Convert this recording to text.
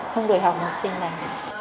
không đổi học học sinh này